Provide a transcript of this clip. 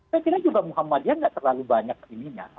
saya kira muhammadiyah juga tidak terlalu banyak ininya